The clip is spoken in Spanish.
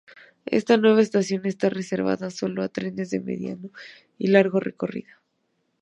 Esta nueva estación está reservada solo a trenes de mediano y largo recorrido.